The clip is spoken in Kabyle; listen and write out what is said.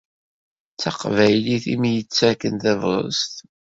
D taqbaylit i m-yettaken tabɣest.